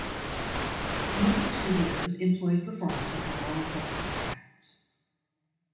Movie studios employed performers under long-term contracts.